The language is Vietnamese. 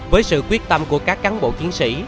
với sự quyết tâm của các cán bộ chiến sĩ